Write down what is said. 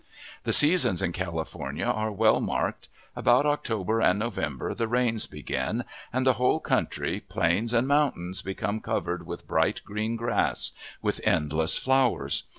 The seasons in California are well marked. About October and November the rains begin, and the whole country, plains and mountains, becomes covered with a bright green grass, with endless flowers.